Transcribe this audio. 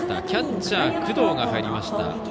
キャッチャー、工藤が入りました。